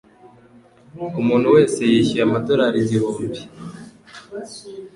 Umuntu wese yishyuye amadorari igihumbi.